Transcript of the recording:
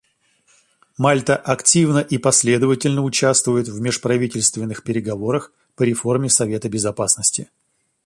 Мальта активно и последовательно участвует в межправительственных переговорах по реформе Совета Безопасности.